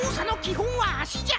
ほんはあしじゃ！